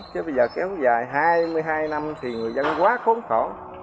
chứ bây giờ kéo dài hai mươi hai năm thì người dân quá khốn khổ